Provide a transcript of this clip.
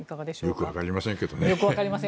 よく分かりませんけどね。